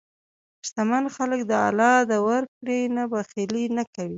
شتمن خلک د الله د ورکړې نه بخیلي نه کوي.